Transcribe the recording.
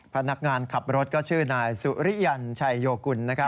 พนักงานขับรถก็ชื่อนายสุริยันชัยโยกุล